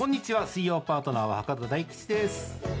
水曜パートナーは博多大吉です。